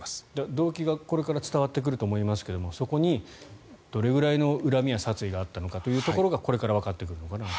動機が、これから伝わってくると思いますがそこにどれぐらいの恨みや殺意があったのかというところがこれからわかってくるのかなと。